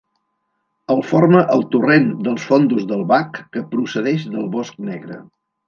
El forma el torrent dels Fondos del Bac, que procedeix del Bosc Negre.